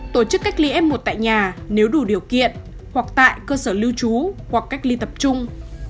tổ chức cách ly f một tại nhà nếu đủ điều kiện hoặc tại cơ sở lưu trú hoặc cách ly tập trung